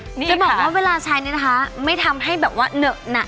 จะบอกว่าเวลาใช้นี่นะคะไม่ทำให้แบบว่าเหนอะหนัก